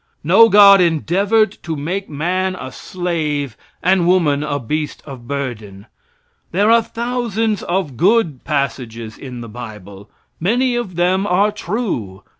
No god endeavored to make man a slave and woman a beast of burden. There are thousands of good passages in the bible. Many of them are true.